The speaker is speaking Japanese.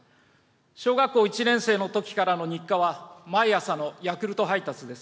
小学校１年生のときからの日課は、毎朝のヤクルト配達です。